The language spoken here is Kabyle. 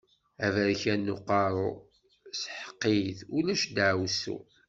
Aberkan n uqeṛṛu, sḥeq-it, ulac daɛwessu.